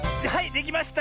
できました！